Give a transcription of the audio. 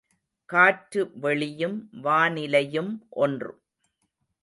காற்று வெளியும் வானிலையும் ஒன்று.